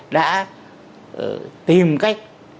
đã tìm cách